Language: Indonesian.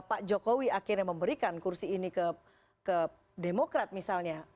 pak jokowi akhirnya memberikan kursi ini ke demokrat misalnya